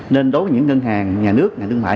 nên đối với những ngân hàng nhà nước nhà nước ngoại